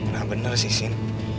nah bener sih sin